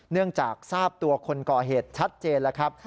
เนื่องจากทราบตัวคนก่อเหตุชัดเจนแล้วครับ